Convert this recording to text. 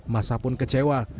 masa pun kecewa